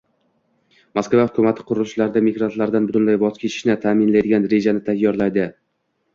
Moskva hukumati qurilishlarda migrantlardan butunlay voz kechishni ta’minlaydigan rejani tayyorlaydi